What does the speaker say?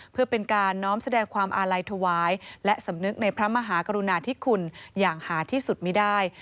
เพื่อเป็นการน้อมแสดงความอาลัยถวายและสำนึกในพระมหากรุณาธิคุณอย่างหาที่สุดไม่ได้